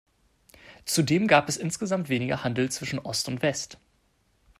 Zudem gab es insgesamt weniger Handel zwischen Ost und West.